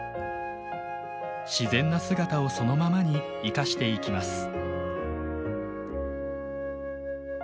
自然な姿をそのままに生かしていきます。